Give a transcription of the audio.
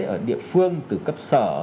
ở địa phương từ cấp sở